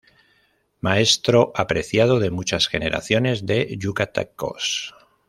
Maestro apreciado de muchas generaciones de yucatecos.